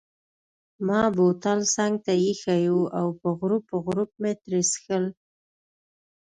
ما بوتل څنګته ایښی وو او په غوړپ غوړپ مې ترې څیښل.